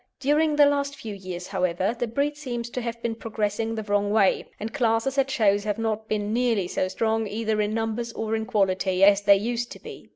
During the last few years, however, the breed seems to have been progressing the wrong way, and classes at shows have not been nearly so strong, either in numbers or in quality, as they used to be.